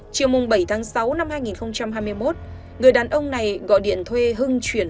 chiều bảy tháng sáu năm hai nghìn hai mươi một người đàn ông này gọi điện thuê hưng chuyển